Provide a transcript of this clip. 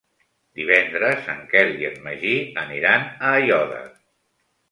Divendres en Quel i en Magí aniran a Aiòder.